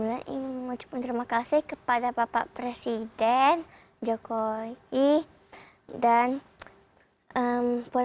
bulan ingin mengucapkan terima kasih kepada bapak presiden jokowi dan puan maharani bapak